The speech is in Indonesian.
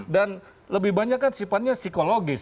dan lebih banyak kan sifatnya psikologis